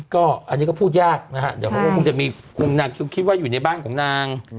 ก็อันนี้ก็พูดยากนะฮะเดี๋ยวเขาก็คงจะมีคุณนางคิดว่าอยู่ในบ้านของนาง